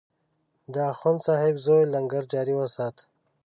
د اخندصاحب زوی لنګر جاري وسات.